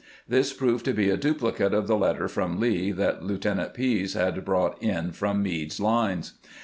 This proved to be a duplicate of the letter from Lee that Lieutenant Pease had brought in from Meade's lines.